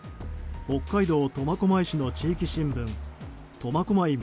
北海道苫小牧市の地域新聞苫小牧